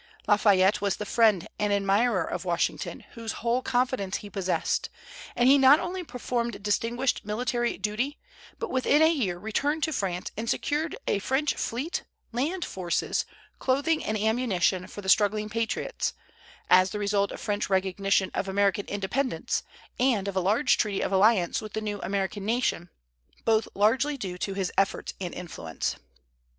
Lafayette was the friend and admirer of Washington, whose whole confidence he possessed; and he not only performed distinguished military duty, but within a year returned to France and secured a French fleet, land forces, clothing and ammunition for the struggling patriots, as the result of French recognition of American independence, and of a treaty of alliance with the new American nation, both largely due to his efforts and influence.